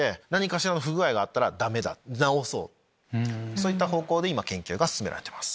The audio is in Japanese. そういった方向で今研究が進められてます。